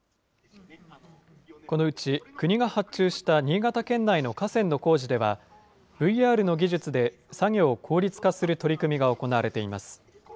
このうち国が発注した新潟県内の河川の工事では、ＶＲの技術で作業を効率化する取り組みが行われています。